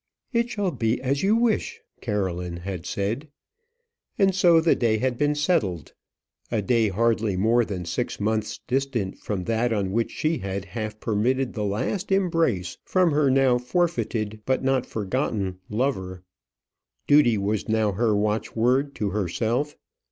"It shall be as you wish," Caroline had said. And so the day had been settled; a day hardly more than six months distant from that on which she had half permitted the last embrace from her now forfeited, but not forgotten lover. Duty was now her watchword to herself.